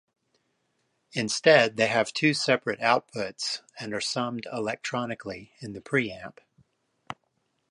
Instead, they have two separate outputs and are summed electronically in the preamp.